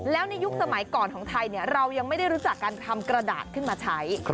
แล้วในยุคสมัยก่อนของไทยเรายังไม่ได้รู้จักการทำกระดาษขึ้นมาใช้